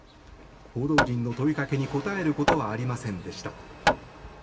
報道陣の問いかけに答えることはありませんでした。